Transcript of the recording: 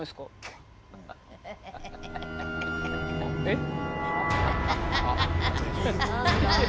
えっ。